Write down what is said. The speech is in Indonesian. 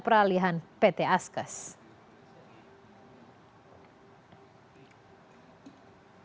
perusahaan peralihan pt askas